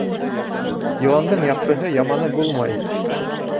Йыландың яҡшыһы, яманы булмай